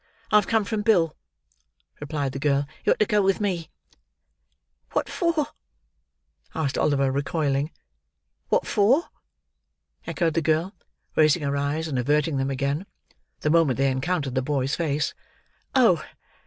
I have come from Bill," replied the girl. "You are to go with me." "What for?" asked Oliver, recoiling. "What for?" echoed the girl, raising her eyes, and averting them again, the moment they encountered the boy's face. "Oh!